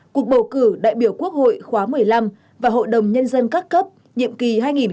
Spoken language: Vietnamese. cuộc bầu cử đại biểu quốc hội khóa một mươi năm và hội đồng nhân dân các cấp nhiệm kỳ hai nghìn một mươi sáu hai nghìn hai mươi sáu